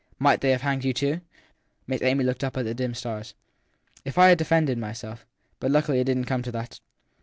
Might they have hanged you too ? Miss Amy looked up at the dim stars. If I had defended myself. But luckily it didn t come to that.